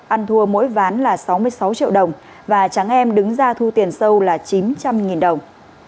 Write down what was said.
ăn thua mỗi ván là sáu mươi sáu triệu đồng và tráng em đứng ra thu tiền sâu là chín trăm linh đồng